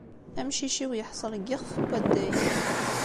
Amcic-iw yeḥṣel deg yixef n waddag.